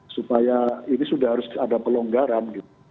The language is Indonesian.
supaya ini sudah harus ada pelonggaran